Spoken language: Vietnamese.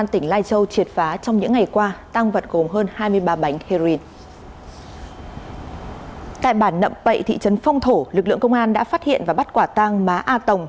tại bản nậm pậy thị trấn phong thổ lực lượng công an đã phát hiện và bắt quả tang má a tổng